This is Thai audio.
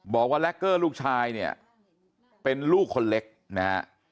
บอกว่าแร็กเกอร์ลูกชายเนี่ยเป็นลูกคนเล็กนะ